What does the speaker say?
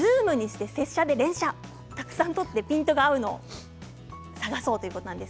たくさん撮ってピントが合うのを探そうということです。